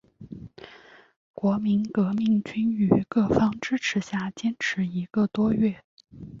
国民革命军于各方支持下坚持一个多月。